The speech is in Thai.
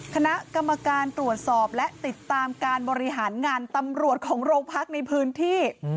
คณะกรรมการตรวจสอบและติดตามการบริหารงานตำรวจของโรงพักในพื้นที่